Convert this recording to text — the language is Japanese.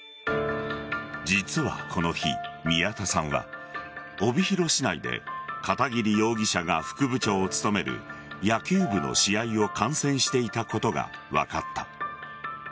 実はこの日、宮田さんは帯広市内で片桐容疑者が副部長を務める野球部の試合を観戦していたことが分かった。